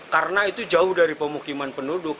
karena itu jauh dari pemukiman penduduk